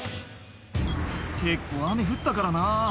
「結構雨降ったからな」